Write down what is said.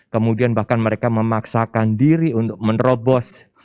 kemudian bahkan mereka memaksakan diri untuk menerobos